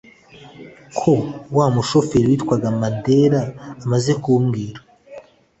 ko wa mushoferi witwaga Mandela amaze kumbwira